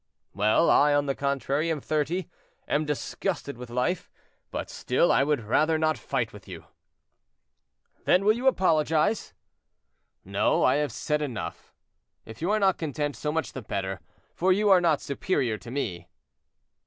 "Well, I, on the contrary, am thirty, and am disgusted with life; but still I would rather not fight with you." "Then you will apologize?" "No, I have said enough. If you are not content, so much the better, for you are not superior to me."